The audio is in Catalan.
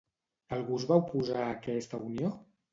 Algú es va oposar a aquesta unió?